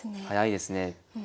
早いですね。